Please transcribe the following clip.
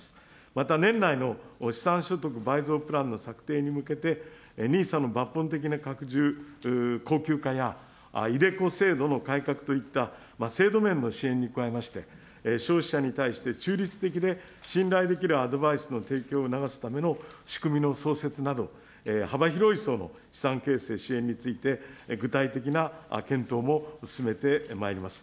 また、年内の資産所得倍増プランの策定に向けて、ＮＩＳＡの抜本的な拡充、恒久化や、ｉＤｅＣｏ制度の改革といった制度面の支援に加えまして、消費者に対して中立的で信頼できるアドバイスの提供を促すための仕組みの創設など、幅広い層の資産形成支援について、具体的な検討も進めてまいります。